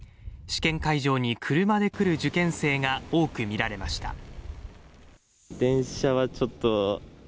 試験会場に車で来る受験生が多く見られました。